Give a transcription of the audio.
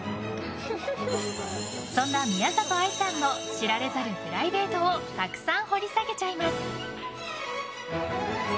そんな宮里藍さんの知られざるプライベートをたくさん掘り下げちゃいます！